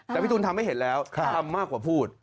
แต่พี่ตูนทำให้เห็นแล้วทำมากกว่าพูด